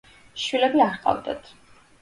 შვილები არ ჰყავდათ.